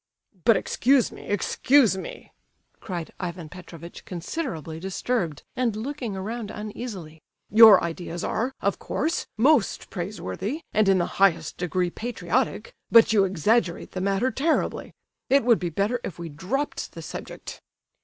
"But excuse me, excuse me;" cried Ivan Petrovitch considerably disturbed, and looking around uneasily. "Your ideas are, of course, most praiseworthy, and in the highest degree patriotic; but you exaggerate the matter terribly. It would be better if we dropped the subject."